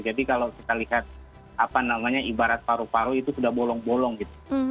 kalau kita lihat apa namanya ibarat paru paru itu sudah bolong bolong gitu